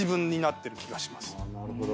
なるほど。